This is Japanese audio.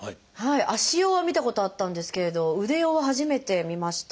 足用は見たことあったんですけれど腕用は初めて見ました。